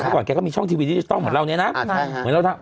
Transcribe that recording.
ก่อนแกก็มีช่องทีวีดิจิทัลเหมือนเราเนี่ยนะ